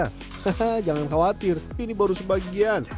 hahaha jangan khawatir ini baru sebagian